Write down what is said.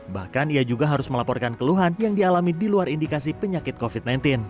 bahkan ia juga harus melaporkan keluhan yang dialami di luar indikasi penyakit covid sembilan belas